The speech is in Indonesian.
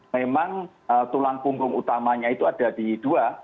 memang tulang punggung utamanya itu ada di dua